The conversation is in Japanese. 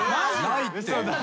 ないって。